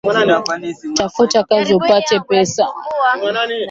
Tafuta kazi upate pesa